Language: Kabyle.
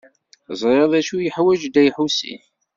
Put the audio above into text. Ẓriɣ d acu i yeḥwaǧ Dda Lḥusin.